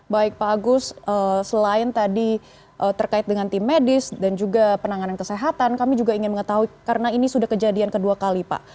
baik pak agus selain tadi terkait dengan tim medis dan juga penanganan kesehatan kami juga ingin mengetahui karena ini sudah kejadian kedua kali pak